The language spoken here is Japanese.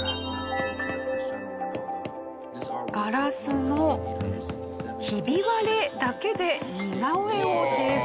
ガラスのヒビ割れだけで似顔絵を制作中。